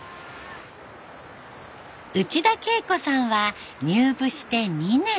内田恵子さんは入部して２年。